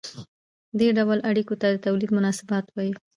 دې ډول اړیکو ته د تولید مناسبات وايي.